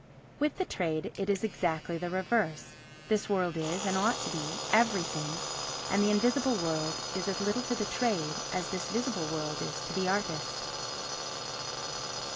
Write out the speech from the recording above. With the trade it is exactly the reverse; this world is, and ought to be, everything, and the invisible world is as little to the trade as this visible world is to the artist.